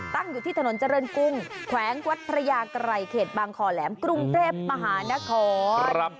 ตั้งอยู่ที่ถนนเจริญกรุงแขวงวัดพระยากรัยเขตบางคอแหลมกรุงเทพมหานคร